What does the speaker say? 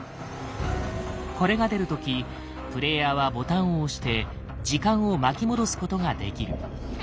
これが出る時プレイヤーはボタンを押して時間を巻き戻すことができる。